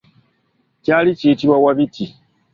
Kyali kiyitibwa Wabiti.